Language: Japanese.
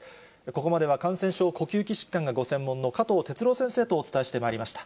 ここまでは、感染症、呼吸器疾患がご専門の加藤哲朗先生とお伝えしてまいりました。